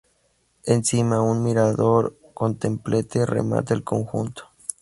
Encima, un mirador con templete remata el conjunto.